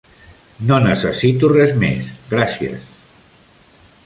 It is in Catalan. No necessito res més, gràcies.